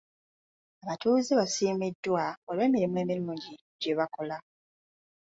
Abatuuze baasiimiddwa olw'emirimu emirungi gye bakola.